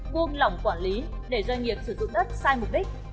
buông lỏng quản lý để doanh nghiệp sử dụng đất sai mục đích